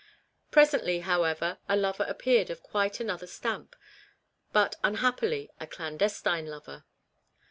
Presently, however, a lover appeared of quite another stamp, but unhappily a clandestine lover.